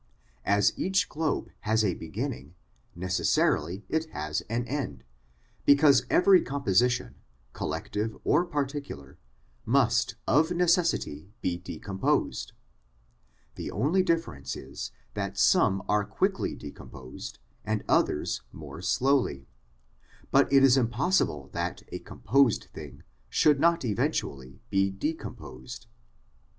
As each globe has a beginning, necessarily it has an end, because every composition, collective or particular, must of necessity be decomposed ; the only difference is that some are quickly decomposed, and others more slowly, but it is impossible that a composed thing should not eventually be decomposed.